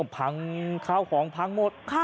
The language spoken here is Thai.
พังของพังหมด